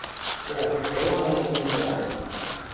Ох, толам ыле вуйжылан!